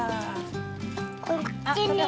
こっちにも。